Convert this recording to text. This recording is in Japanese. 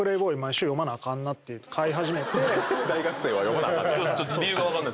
大学生は読まなあかんねんな。